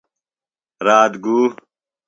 رات گُو۔